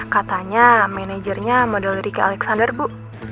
katanya manajernya model ricky alexander bu